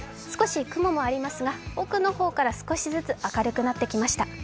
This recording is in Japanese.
少し雲もありますが、奥の方から少しずつ明るくなってきました。